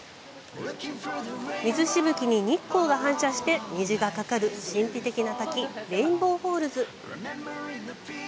水しぶきに日光が反射して虹がかかる神秘的な滝、レインボーフォールズ。